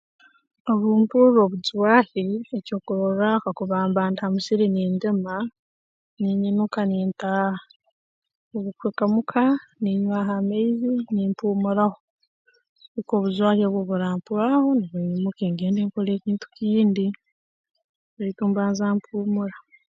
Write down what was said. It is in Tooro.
Obu mpurra obujwaahi eky'okurorraaho kakuba mba ndi ha musiri nindima ninyinuka nintaaha obu nkuhika muka ninywaaho amaizi nimpuumuraho kuhika obujwahi obu obu burampwaaho nubwo nyimuke ngende nkole ekintu kindi baitu mbanza mpuumura